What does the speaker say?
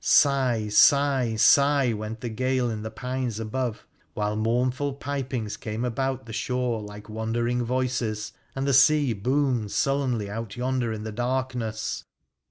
Sigh, sigh, sigh went the gale in the pines above, while mournful pipings came about the shore like wandering voices, and the sea boomed sullenly out yonder in the darkness